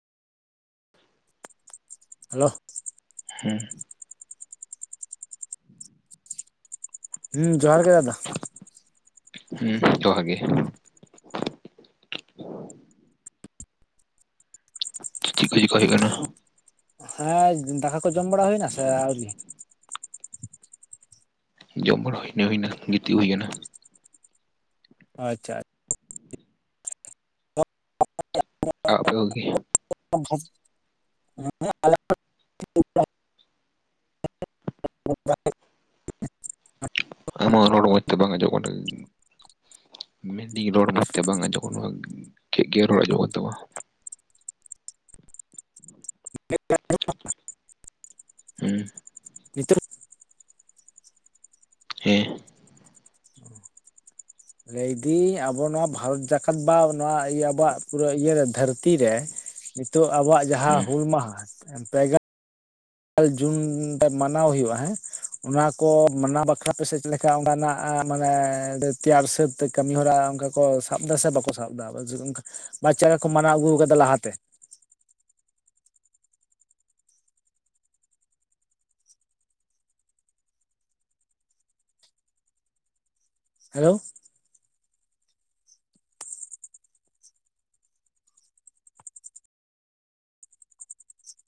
Hello. ᱦᱮᱸ ᱾ ᱦᱩᱸ ᱡᱚᱦᱟᱨ ᱜᱮ ᱫᱟᱫᱟ ᱾ ᱦᱩᱸ ᱡᱚᱦᱟᱨ ᱜᱮ ᱾ ᱪᱤᱫ ᱠᱚ ᱪᱤᱠᱟᱭ ᱦᱩᱭᱩᱜ ᱠᱟᱱᱟ? ᱦᱮᱸ ᱫᱟᱠᱟ ᱠᱚ ᱡᱚᱢ ᱵᱟᱲᱟ ᱦᱩᱭᱱᱟ ᱥᱮ ᱟᱹᱣᱨᱤ? ᱡᱚᱢ ᱵᱟᱲᱟ ᱦᱩᱭᱱᱟ ᱦᱩᱭᱱᱟ ᱜᱤᱛᱤᱡ ᱦᱩᱭ ᱠᱟᱱᱟ ᱾ ᱟᱪᱪᱷᱟ ᱟᱪ [inaudible] ᱟ ᱟᱯᱮ ᱠᱚᱜᱮ ᱾ [inaudible] [inaudible] ᱟᱢᱟᱜ ᱨᱚᱲ ᱢᱚᱸᱡᱽ ᱛᱮ ᱵᱟᱝ ᱟᱸᱡᱚᱢᱚᱜ ᱠᱟᱹᱴᱤᱡ ᱢᱮᱱ ᱫᱤᱧ ᱨᱚᱲ ᱢᱚᱸᱡᱽ ᱛᱮ ᱵᱟᱝ ᱟᱸᱡᱚᱢᱚᱜ ᱠᱟᱱ ᱛᱟᱢᱟ ᱜᱮᱫ ᱜᱮᱫ ᱨᱚᱲ ᱟᱸᱡᱚᱢᱚᱜ ᱠᱟᱱ ᱛᱟᱢᱟ [inaudible] ᱦᱩᱸ ᱱᱤᱛᱚᱜ ᱦᱮᱸ ᱞᱟᱹᱭ ᱫᱤᱧ ᱟᱵᱚ ᱱᱚᱣᱟ ᱵᱷᱟᱨᱚᱛ ᱡᱟᱠᱟᱛ ᱵᱟ ᱱᱚᱣᱟ ᱤᱭᱟᱹ ᱟᱵᱚᱣᱟᱜ ᱯᱩᱨᱟᱹ ᱤᱭᱟᱹ ᱨᱮ ᱫᱷᱟᱹᱨᱛᱤ ᱨᱮ ᱱᱤᱛᱚᱜ ᱟᱵᱚᱣᱟᱜ ᱡᱟᱦᱟᱸ ᱦᱩᱸ ᱦᱩᱞ ᱢᱟᱦᱟ ᱯᱮᱜ ᱜᱮᱞ ᱡᱩᱱ ᱱᱤᱛᱚᱜ ᱢᱟᱱᱟᱣ ᱦᱩᱭᱩᱜ-ᱟ ᱦᱮᱸ ᱚᱱᱟ ᱠᱚ ᱢᱟᱱᱟᱣ ᱵᱟᱠᱷᱨᱟ ᱟᱯᱮ ᱥᱮᱫ [inaudible] ᱠᱟ ᱚᱱᱠᱟᱱᱟᱜ ᱢᱟᱱᱮ ᱛᱮᱭᱟᱨ ᱥᱟᱹᱛ ᱠᱟᱹᱢᱤ ᱦᱚᱨᱟ ᱚᱱᱠᱟ ᱠᱚ ᱥᱟᱵ ᱫᱟ ᱥᱮ ᱵᱟᱠᱚ ᱥᱟᱵ ᱮᱫᱟ ᱵᱟ ᱪᱮᱫᱠᱟ ᱠᱚ ᱢᱟᱱᱟᱣ ᱟᱹᱜᱩ ᱟᱠᱟᱫᱟ ᱞᱟᱦᱟᱛᱮ ᱦᱮᱞᱳ